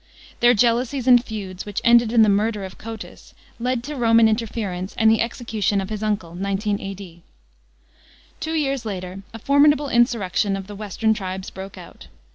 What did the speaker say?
Their jealousies and feuds, which ended in the murder of Cotys, led to Roman interference and the execution of his uncle (19 A.D.). Two years later a formidable insurrection of the western tribes broke out.